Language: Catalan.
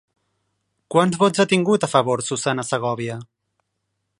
Quants vots ha tingut a favor Susanna Segòvia?